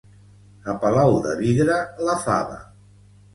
A Palau de Vidre, la fava.